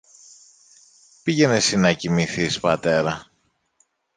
Πήγαινε συ να κοιμηθείς, πατέρα